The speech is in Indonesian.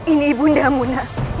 ini ibunda mu nak